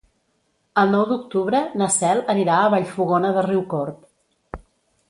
El nou d'octubre na Cel anirà a Vallfogona de Riucorb.